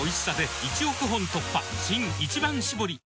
新「一番搾り」